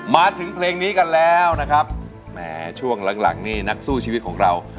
มาถึงเพลงนี้กันแล้วนะครับแหมช่วงหลังนี่นักสู้ชีวิตของเรา